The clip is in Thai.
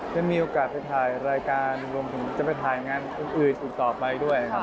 จะมีโอกาสไปถ่ายรายการรวมถึงจะไปถ่ายงานอื่นอีกต่อไปด้วยครับ